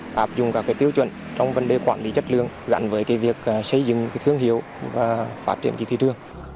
áp dụng các tiêu chuẩn trong vấn đề quản lý chất lượng gắn với việc xây dựng thương hiệu và phát triển thị trường